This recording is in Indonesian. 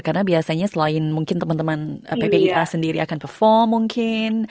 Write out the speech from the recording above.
karena biasanya selain mungkin teman teman ppipa sendiri akan perform mungkin